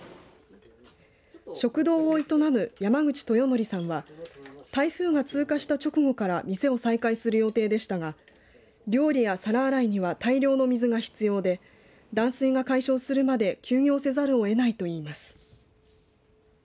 食堂を営む山口豊徳さんは台風が通過した直後から店を再開する予定でしたが料理や皿洗いには大量の水が必要で断水が解消するまで休業せざるをえないといいます。